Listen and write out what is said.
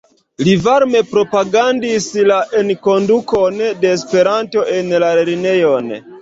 Li varme propagandis la enkondukon de Esperanto en la lernejon.